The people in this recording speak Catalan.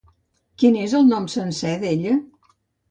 Quin és el nom sencer d'ella?